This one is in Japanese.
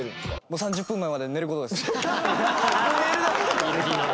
３０分前まで寝る事です。